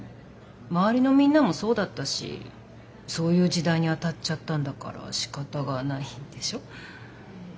周りのみんなもそうだったしそういう時代に当たっちゃったんだからしかたがないでしょ？